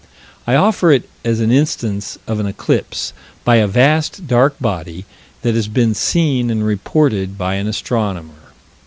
I offer it as an instance of an eclipse, by a vast, dark body, that has been seen and reported by an astronomer.